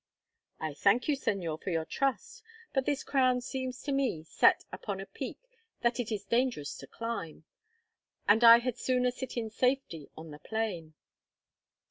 "I thank you, Señor, for your trust; but this crown seems to me set upon a peak that it is dangerous to climb, and I had sooner sit in safety on the plain."